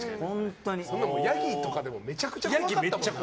ヤギとかでもめちゃくちゃ怖かった。